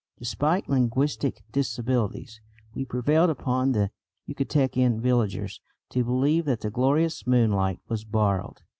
Despite linguistic disabilities, we prevailed upon the Yucatecan villagers to believe that the glorious moonlight was borrowed.